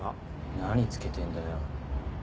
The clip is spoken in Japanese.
何つけてんだよ。